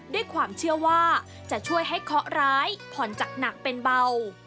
ด้วยความเชื่อว่าจะช่วยให้เคาะร้ายผ่อนจากหนักเป็นเบา